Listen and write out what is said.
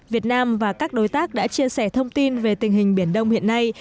việt nam và các đối tác đã chia sẻ thông tin về tình hình biển đông hiện nay